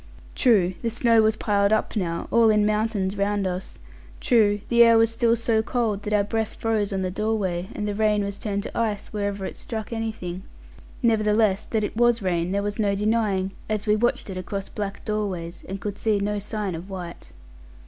True, the snow was piled up now all in mountains round us; true, the air was still so cold that our breath froze on the doorway, and the rain was turned to ice wherever it struck anything; nevertheless that it was rain there was no denying, as we watched it across black doorways, and could see no sign of white.